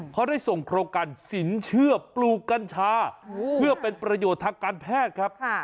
เขาได้ส่งโครงการสินเชื่อปลูกกัญชาเพื่อเป็นประโยชน์ทางการแพทย์ครับ